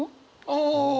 ああ。